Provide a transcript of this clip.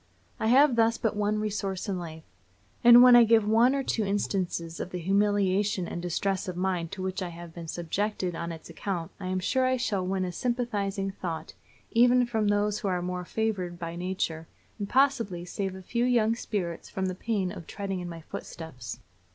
I have thus but one resource in life; and when I give one or two instances of the humiliation and distress of mind to which I have been subjected on its account I am sure I shall win a sympathizing thought even from those who are more favored by nature, and possibly save a few young spirits from the pain of treading in my footsteps.